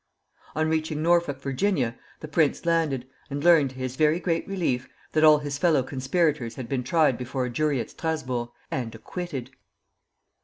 On reaching Norfolk, Virginia, the prince landed, and learned, to his very great relief, that all his fellow conspirators had been tried before a jury at Strasburg, and acquitted!